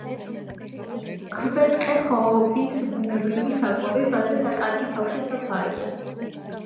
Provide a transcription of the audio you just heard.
ქვეტყე ხოხბის ბუნებრივი საკვები ბაზა და კარგი თავშესაფარია.